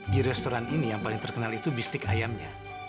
di restoran ini yang paling terkenal itu bistik ayamnya